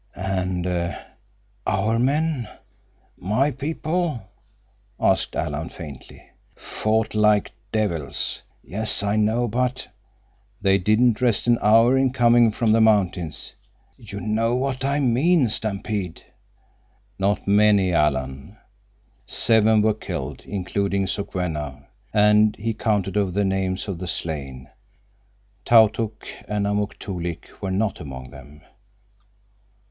"And our men—my people?" asked Alan faintly. "Fought like devils." "Yes, I know. But—" "They didn't rest an hour in coming from the mountains." "You know what I mean, Stampede." "Not many, Alan. Seven were killed, including Sokwenna," and he counted over the names of the slain. Tautuk and Amuk Toolik were not among them.